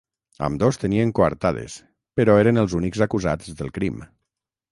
Ambdós tenien coartades, però eren els únics acusats del crim.